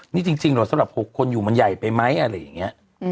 นี่จริงเหรอสำหรับ๖คนอยู่มันใหญ่ไปไหมอะไรอย่างนี้